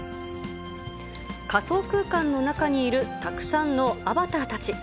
仮想空間の中にいる、たくさんのアバターたち。